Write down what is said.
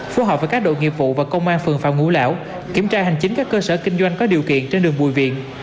phù hợp với các đội nghiệp vụ và công an phường phạm ngũ lão kiểm tra hành chính các cơ sở kinh doanh có điều kiện trên đường bùi viện